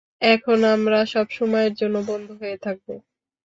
এখন আমরা সবসময় জন্য বন্ধু হয়ে থাকবো।